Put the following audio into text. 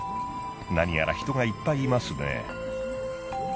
何やら人がいっぱいいますね。